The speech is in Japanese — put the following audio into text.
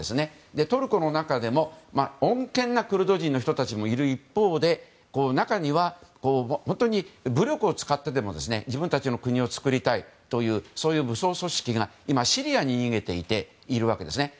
トルコの中でも穏健なクルド人もいる一方で中には本当に武力を使ってでも自分たちの国を作りたいという武装組織が今、シリアに逃げているわけですね。